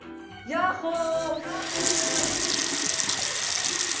ヤッホー！